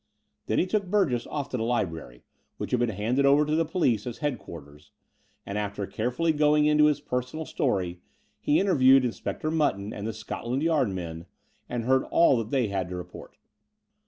Then he took Burgess off to the library, which had been handed over to the police as head quarters; and, after carefully going into his per sonal story, he interviewed Inspector Mutton and the Scotland Yard men, and heard all that they had to report.